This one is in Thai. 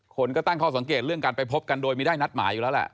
คนก็ตั้งข้อสังเกตเรื่องการไปพบกันโดยมีได้นัดหมายอยู่แล้วแหละ